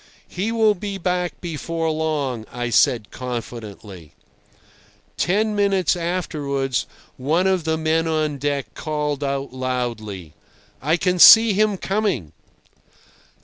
"He will be back before long," I said confidently. Ten minutes afterwards one of the men on deck called out loudly: "I can see him coming."